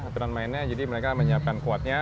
aturan mainnya jadi mereka menyiapkan kuatnya